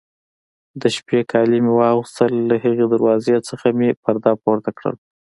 د شپې کالي مې واغوستل، له هغې دروازې نه مې پرده پورته کړل.